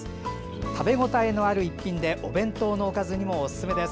食べ応えのある一品でお弁当のおかずにもおすすめです。